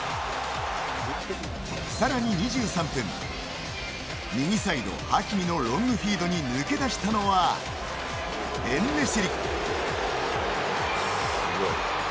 更に２３分右サイド、ハキミのロングフィードに抜け出したのは、エンネシリ。